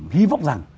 hy vọng rằng